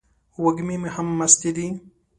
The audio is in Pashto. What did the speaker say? وږمې هم مستې دي